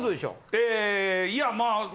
えいやまあ。